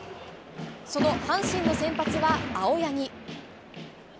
その阪神の先発は、青柳。